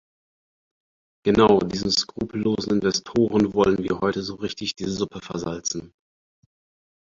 Genau diesen skrupellosen Investoren wollen wir heute so richtig die Suppe versalzen!